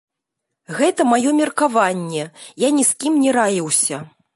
Гэта маё меркаванне, я ні з кім не раіўся.